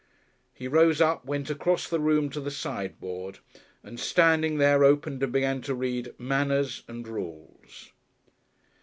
He rose up, went across the room to the sideboard, and, standing there, opened and began to read "Manners and Rules."